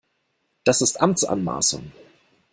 Das ist Amtsanmaßung!